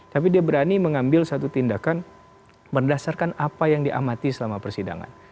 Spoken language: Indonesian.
tapi dia berani mengambil satu tindakan berdasarkan apa yang diamati selama persidangan